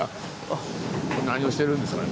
何をしてるんですかね？